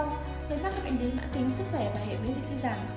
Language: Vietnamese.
với mắt các bệnh lý mãn tính sức khỏe và hệ bến dịch suy giảm